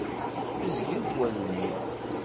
Bezgent wallen-iw.